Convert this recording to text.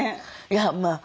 いやまあ